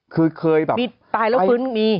คือเคยแบบมีตายแล้วฟื้นมี